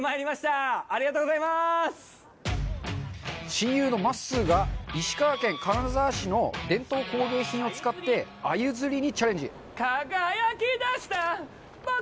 親友のまっすーが石川県金沢市の伝統工芸品を使って鮎釣りにチャレンジ